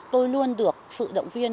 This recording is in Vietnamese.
tôi luôn được sự động viên